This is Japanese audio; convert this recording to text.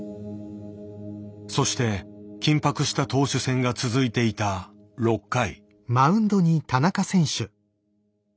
そして緊迫した投手戦が続いていた６回。